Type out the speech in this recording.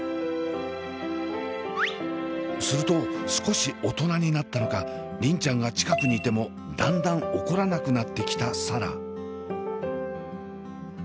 すると少し大人になったのか梨鈴ちゃんが近くにいてもだんだん怒らなくなってきた紗蘭。